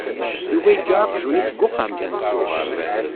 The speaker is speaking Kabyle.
Yuba yeǧǧa aqjun-is deg uxxam.